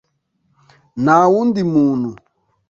nta wundi muntu